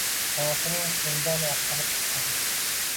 Onasining shundan achchig`i chiqqan